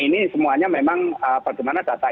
ini semuanya memang bagaimana data